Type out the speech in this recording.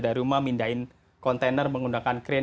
dari rumah mindain kontainer menggunakan crane